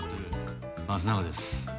益永です。